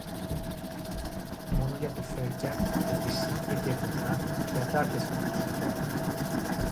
Μόνο για τουφέκια και φυσίγγια και βουνά και αντάρτες μιλούσαν τώρα